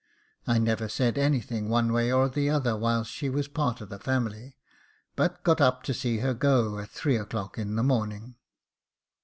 I never said anything one way or the other whilst she was part of the family, but got up to see her go at three o'clock in the morning.